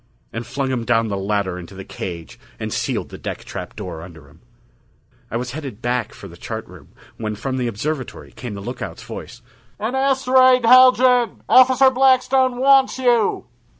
And flung him down the ladder into the cage and sealed the deck trap door upon him. I was headed back for the chart room when from the observatory came the lookout's voice: "An asteroid, Haljan! Officer Blackstone wants you."